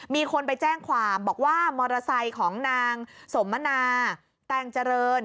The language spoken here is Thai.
มีคนไปแจ้งความบอกว่ามอเตอร์ไซค์ของนางสมมนาแตงเจริญ